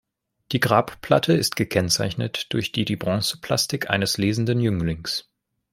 Die Grabplatte ist gekennzeichnet durch die die Bronzeplastik eines lesenden Jünglings.